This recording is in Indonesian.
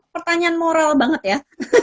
pertanyaan moral banget ya